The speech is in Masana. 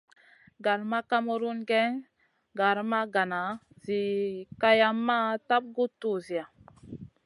Gal ma kamerun géyn gara ma gana Zi ma kayamma tap guʼ tuwziya.